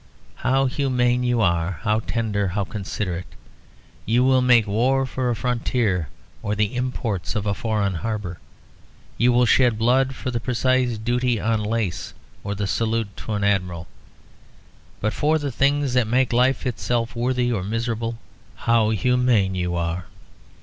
"How humane you are, how tender, how considerate! You will make war for a frontier, or the imports of a foreign harbour; you will shed blood for the precise duty on lace, or the salute to an admiral. But for the things that make life itself worthy or miserable how humane you are!